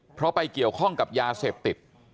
เพราะไปเกี่ยวข้องกับยาเสพติด